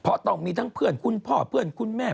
เพราะต้องมีทั้งเพื่อนคุณพ่อเพื่อนคุณแม่